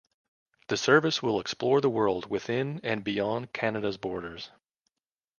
The service will explore the world within and beyond Canada's borders.